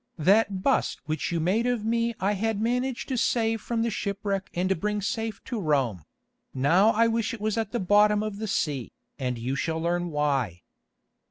That bust which you made of me I had managed to save from the shipwreck and bring safe to Rome—now I wish it was at the bottom of the sea, and you shall learn why.